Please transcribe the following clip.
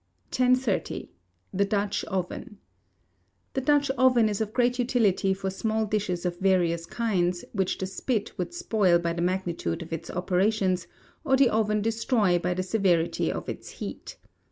1030. The Dutch Oven. The Dutch oven is of great utility for small dishes of various kinds, which the Spit would spoil by the magnitude of its operations, or the Oven destroy by the severity of its heat.